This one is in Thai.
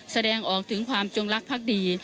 แสดงออกถึงความจงรักภักดี